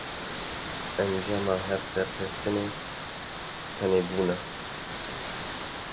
Encama her serkeftinê, tenêbûn e.